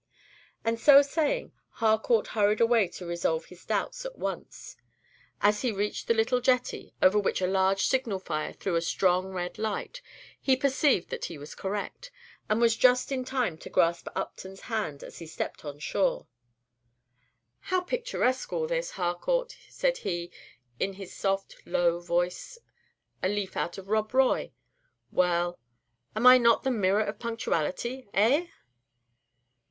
And so saying, Harcourt hurried away to resolve his doubts at once. As he reached the little jetty, over which a large signal fire threw a strong red light, he perceived that he was correct, and was just in time to grasp Upton's hand as he stepped on shore. "How picturesque all this, Harcourt," said he, in his soft, low voice; "a leaf out of 'Rob Roy.' Well, am I not the mirror of punctuality, eh?"